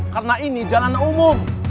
karena ini jalan umum